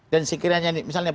dan sekiranya misalnya